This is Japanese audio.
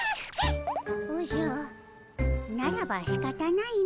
おじゃならばしかたないの。